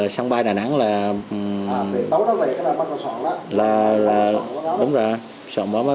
sân bay đà nẵng là bỏ sẵn cho nó tất cả rồi đi thôi đó